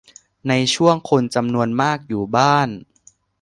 ในช่วงคนจำนวนมากอยู่บ้าน